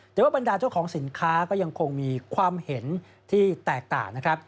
แต่ว่าบรรดาเจ้าของสินค้าก็ยังคงมีความเห็นที่แตกต่างนะครับ